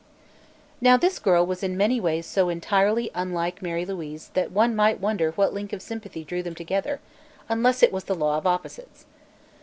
Now, this girl was in many ways so entirely unlike Mary Louise that one might wonder what link of sympathy drew them together, unless it was "the law of opposites."